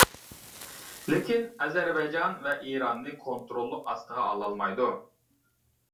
لېكىن ئەزەربەيجان ۋە ئىراننى كونتروللۇق ئاستىغا ئالالمايدۇ.